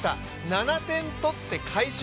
７点取って快勝。